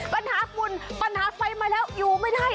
ปัญหาฝุ่นปัญหาไฟมาแล้วอยู่ไม่ได้